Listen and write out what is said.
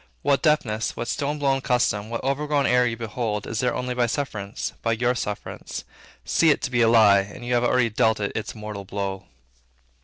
What deafness, what stone blind custom, what overgrown error you behold, is there only by sufferance, by your sufferance. See it to be a lie, and you have already dealt it its mortal blow.